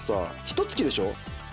ひとつきでしょ？